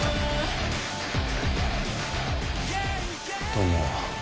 どうも。